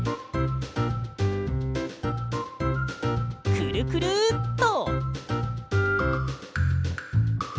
くるくるっと。